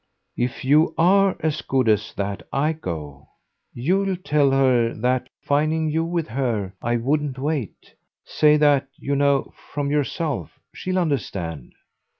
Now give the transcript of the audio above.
"If you ARE as good as that I go. You'll tell her that, finding you with her, I wouldn't wait. Say that, you know, from yourself. She'll understand."